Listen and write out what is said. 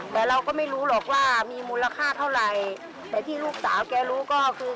แต่เราก็ไม่รู้หรอกว่ามีมูลค่าเท่าไหร่แต่ที่ลูกสาวแกรู้ก็คือ